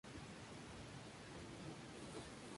Esta línea circula hasta Villaverde Alto.